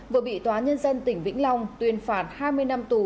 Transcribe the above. vừa bị tòa nhân dân tỉnh vĩnh long tuyên phạt hai mươi năm tù